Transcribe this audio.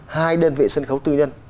hai đơn vị sân khấu tư nhân